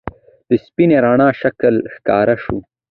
د سپینې رڼا شکل ښکاره شو.